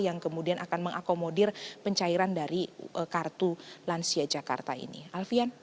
yang kemudian akan mengakomodir pencairan dari kartu lansia jakarta ini alfian